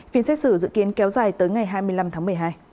phiên xét xử dự kiến kéo dài tới ngày hai mươi năm tháng một mươi hai